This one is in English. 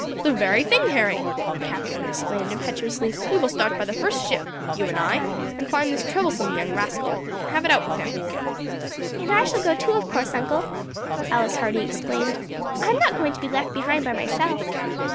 "The very thing, Harry," the Captain exclaimed impetuously, "we will start by the first ship, you and I, and find this troublesome young rascal, and have it out with him." "And I shall go too, of course, uncle," Alice Hardy exclaimed; "I am not going to be left behind by myself."